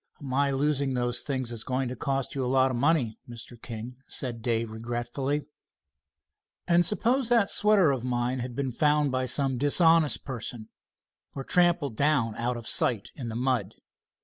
"My losing those things is going to cost you a lot of money, Mr. King," said Dave regretfully. "And suppose that sweater of mine had been found by some dishonest person, or trampled down out of sight in the mud?